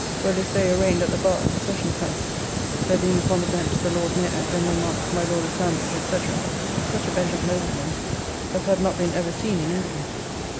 were this day arraigned at the bar at the Sessions House, there being upon the bench the Lord Mayor, General Monk, my Lord of Sandwich, &c. such a bench of noblemen as had not been ever seen in England!